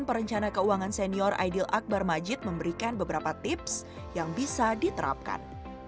perencana keuangan senior aidil akbar majid memberikan beberapa tips yang bisa diterapkan